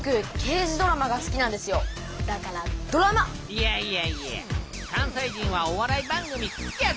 いやいやいや関西人はお笑い番組好っきやで。